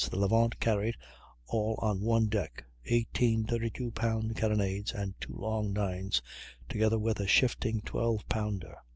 The Levant carried, all on one deck, eighteen 32 pound carronades and two long 9's, together with a shifting 12 pounder.